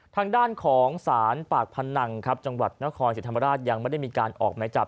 ทางด้านของศาลปากพนังครับจังหวัดนครสิทธิ์ธรรมราชยังไม่ได้มีการออกไม้จับ